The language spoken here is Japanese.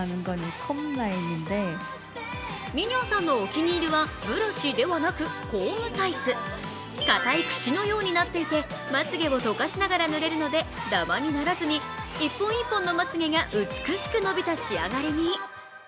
ミニョンさんのお気に入りはブラシではなくコームタイプ硬いくしのようになっていてまつげをとかしながら塗れるのでダマにならずに、１本１本のまつげが美しく伸びた仕上がりに。